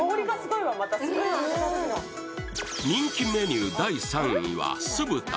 人気メニュー第３位は酢豚。